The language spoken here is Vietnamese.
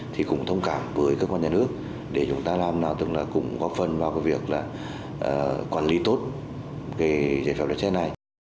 thì cũng thông cảm với các quan nhà nước để chúng ta làm nào cũng góp phần vào cái việc là quản lý tốt cái giấy phép lái xe này